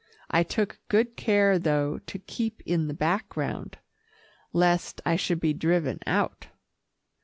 I took good care, though, to keep in the background, lest I should be driven out.